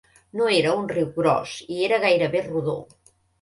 No era un riu gros i era gairebé rodó.